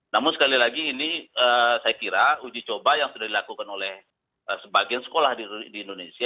namun sekali lagi ini saya kira uji coba yang sudah dilakukan oleh sebagian sekolah di indonesia